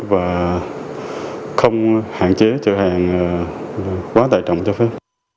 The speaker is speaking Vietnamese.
và không hạn chế chấp hành quá tài trọng cho phép